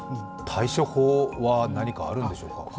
対処法は何かあるんでしょうか。